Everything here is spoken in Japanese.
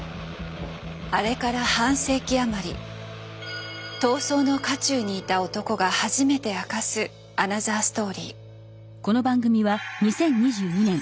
あれから半世紀余り闘争の渦中にいた男が初めて明かすアナザーストーリー。